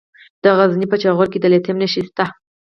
د غزني په جاغوري کې د لیتیم نښې شته.